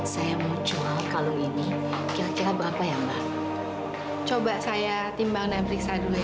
saya mau jawab kalau ini kira kira berapa yang coba saya timbang naik periksa dulu ya ya